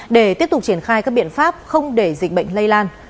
để tiếp tục triển khai các biện pháp không để dịch bệnh lây lan